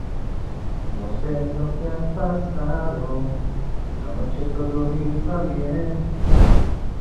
Jugó al baby fútbol en Carmelo, en el Artigas Fútbol Club.